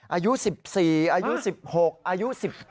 อายุ๑๔อายุ๑๖อายุ๑๗